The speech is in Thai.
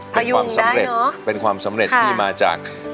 พยุ่งได้เนอะเป็นความสำเร็จค่ะเป็นความสำเร็จที่มาจาก